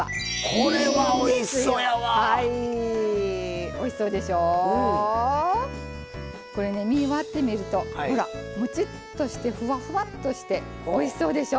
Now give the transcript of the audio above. これね身割ってみるとほらもちっとしてふわふわっとしておいしそうでしょ！